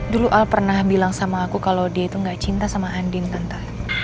dulu al pernah bilang sama aku kalau dia itu gak cinta sama andin